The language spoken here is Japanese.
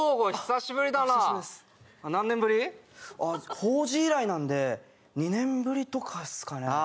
何年ぶり？法事以来なんで２年ぶりとかっすかねああ